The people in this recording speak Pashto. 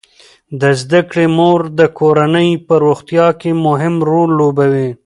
د زده کړې مور د کورنۍ په روغتیا کې مهم رول لوبوي.